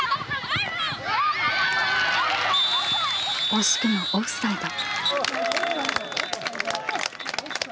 惜しくもオフサイド。